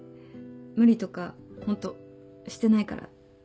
無理とかホントしてないから。